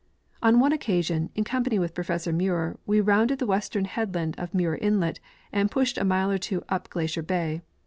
On one occasion, in company Avith Professor Muir, Ave rounded the Avestern headland of Muir inlet and pushed a mile or tAvo up Glacier bay.